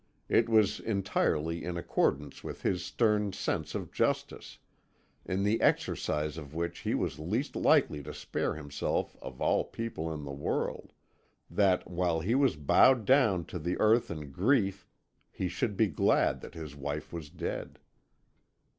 It was entirely in accordance with his stern sense of justice in the exercise of which he was least likely to spare himself of all people in the world that, while he was bowed down to the earth in grief, he should be glad that his wife was dead.